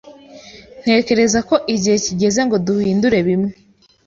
Ntekereza ko igihe kigeze ngo duhindure bimwe.